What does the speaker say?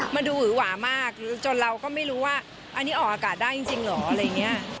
มันดูหือหวามากจนเราก็ไม่รู้ว่าอันนี้ออกอากาศได้จริงเหรออะไรอย่างนี้